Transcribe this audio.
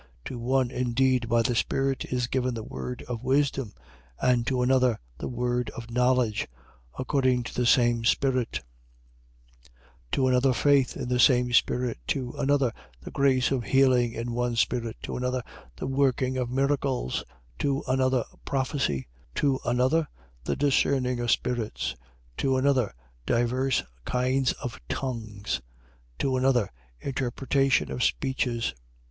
12:8. To one indeed, by the Spirit, is given the word of wisdom: and to another, the word of knowledge, according to the same Spirit: 12:9. To another, faith in the same spirit: to another, the grace of healing in one Spirit: 12:10. To another the working of miracles: to another, prophecy: to another, the discerning of spirits: to another, diverse kinds of tongues: to another, interpretation of speeches.